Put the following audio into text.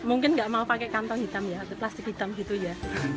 mungkin nggak mau pakai kantong hitam ya atau plastik hitam gitu ya